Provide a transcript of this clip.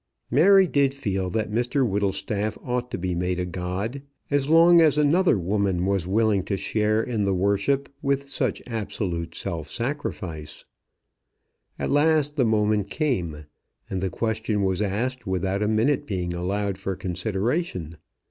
Mary did feel that Mr Whittlestaff ought to be made a god, as long as another woman was willing to share in the worship with such absolute self sacrifice. At last the moment came, and the question was asked without a minute being allowed for consideration.